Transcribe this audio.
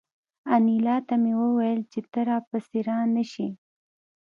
انیلا ته مې وویل چې ته را پسې را نشې